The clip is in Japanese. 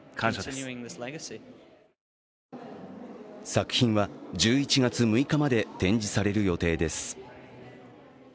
作品の展示は１１月６日まで展示される予定です。